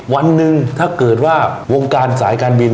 วันหนึ่งถ้าเกิดว่าวงการสายการบิน